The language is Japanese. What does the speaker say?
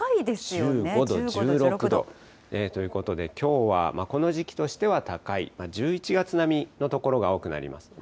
１５度、１６度ということで、この時期としては高い、１１月並みの所が多くなりますね。